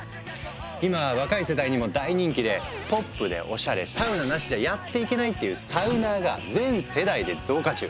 今若い世代にも大人気で「ポップでおしゃれ」「サウナなしじゃやっていけない」っていう「サウナー」が全世代で増加中。